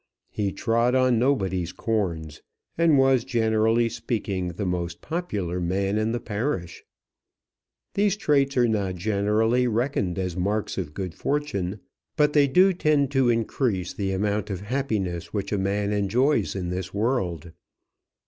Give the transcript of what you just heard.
He trod on nobody's corns, and was, generally speaking, the most popular man in the parish. These traits are not generally reckoned as marks of good fortune; but they do tend to increase the amount of happiness which a man enjoys in this world.